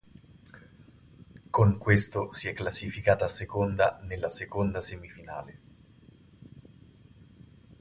Con questo si è classificata seconda nella seconda semifinale.